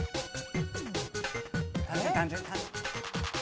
単純単純。